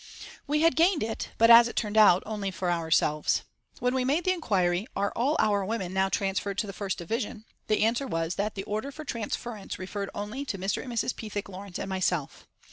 We had gained it, but, as it turned out, only for ourselves. When we made the inquiry, "Are all our women now transferred to the first division?" the answer was that the order for transference referred only to Mr. and Mrs. Pethick Lawrence and myself.